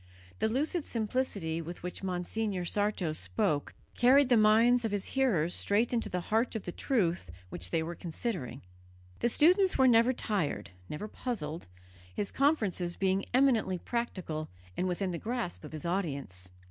The lucid simplicity with which Monsignor Sarto spoke carried the minds of his hearers straight into the heart of the truth which they were considering. The students were never tired, never puzzled, his conferences being eminently practical and within the grasp of his audience.